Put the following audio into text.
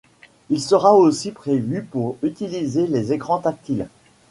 Il sera aussi prévu pour utiliser les écrans tactiles.